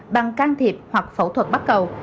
bằng can thiệp hoặc phẫu thuật bắt cầu